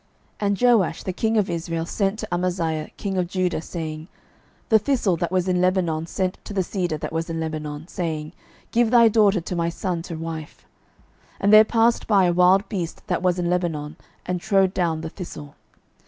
12:014:009 And Jehoash the king of Israel sent to Amaziah king of Judah, saying, The thistle that was in Lebanon sent to the cedar that was in Lebanon, saying, Give thy daughter to my son to wife: and there passed by a wild beast that was in Lebanon, and trode down the thistle.